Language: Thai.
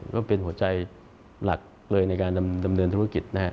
ก็เป็นหัวใจหลักเลยในการดำเนินธุรกิจนะฮะ